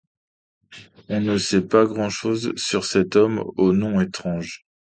On ne sait pas grand-chose sur cet homme au nom étrange.